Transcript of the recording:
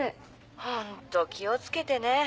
ホント気を付けてね。